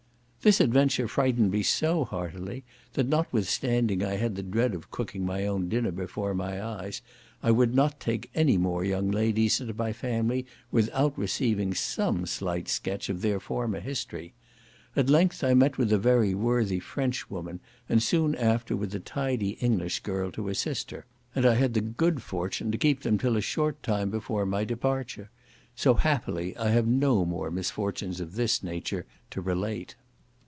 This adventure frightened me so heartily, that, notwithstanding I had the dread of cooking my own dinner before my eyes, I would not take any more young ladies into my family without receiving some slight sketch of their former history. At length I met with a very worthy French woman, and soon after with a tidy English girl to assist her; and I had the good fortune to keep them till a short time before my departure: so, happily, I have no more misfortunes of this nature to relate.